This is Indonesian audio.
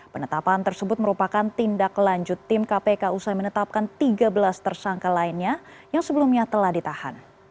penetapan tersebut merupakan tindak lanjut tim kpk usai menetapkan tiga belas tersangka lainnya yang sebelumnya telah ditahan